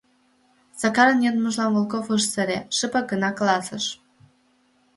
Сакарын йодмыжлан Волков ыш сыре, шыпак гына каласыш: